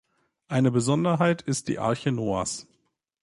Eine Besonderheit ist die Arche Noahs.